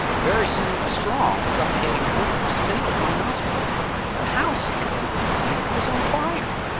Very soon, a strong suffocating odor assailed my nostrils; the house, I clearly perceived, was on fire.